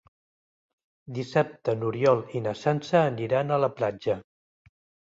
Dissabte n'Oriol i na Sança aniran a la platja.